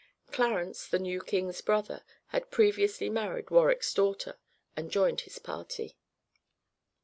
Clarence, the new king's brother, had previously married Warwick's daughter, and joined his party.